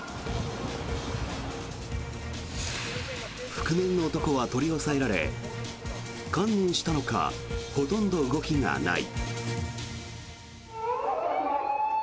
覆面の男は取り押さえられ観念したのかほとんど動きがない。